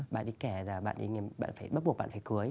bạn ấy kể là bạn ấy bắt buộc bạn phải cưới